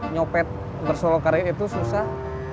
nyopet bersolok karet itu susah